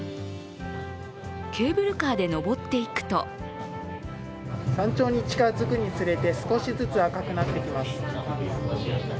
ケーブルカーで登っていくと山頂に近づくにつれて少しずつ赤くなってきます。